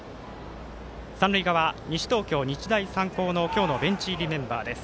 三塁側、西東京、日大三高の今日のベンチ入りメンバーです。